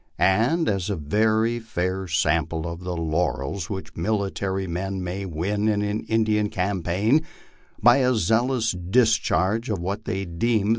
And as a very fair sample of the laurels which military men may win in an Indian campaign by a zealous discharge of what they deem the!